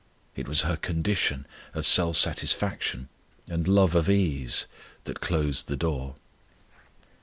It was her condition of self satisfaction and love of ease that closed the door.